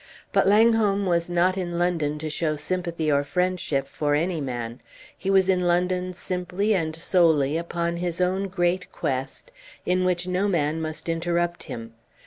But Langholm was not in London to show sympathy or friendship for any man. He was in London simply and solely upon his own great quest, in which no man must interrupt him.